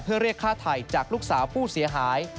เพื่อเรียกค่าไถ่จากลูกสาวผู้เสียหาย